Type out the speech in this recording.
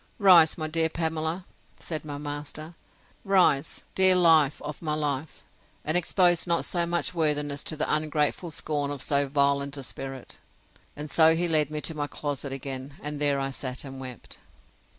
Rise, my dear Pamela, said my master; rise, dear life of my life; and expose not so much worthiness to the ungrateful scorn of so violent a spirit. And so he led me to my closet again, and there I sat and wept.